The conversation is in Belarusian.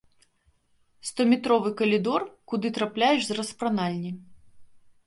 Стометровы калідор, куды трапляеш з распранальні.